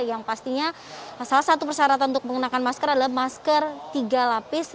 yang pastinya salah satu persyaratan untuk mengenakan masker adalah masker tiga lapis